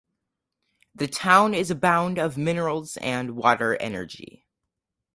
The town is abound of minerals and water energy.